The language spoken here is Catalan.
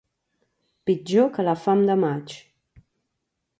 Pitjor que la fam de maig.